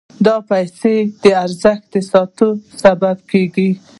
دا د پیسو د ارزښت ساتلو سبب کیږي.